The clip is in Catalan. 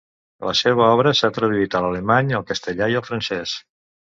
La seva obra s'ha traduït a l'alemany, al castellà i al francès.